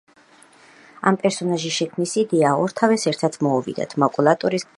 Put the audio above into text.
ამ პერსონაჟის შექმნის იდეა ორთავეს ერთად მოუვიდათ „მაკულატურის“ გადაღების დროს.